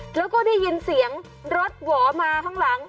แล้วก็ได้ยินเสียงรถหวอมาข้างหลัง